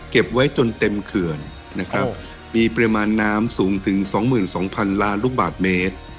เก็บไว้จนเต็มเขื่อนนะครับมีปริมาณน้ำสูงถึง๒๒๐๐๐ล้านลูกบาทเมตร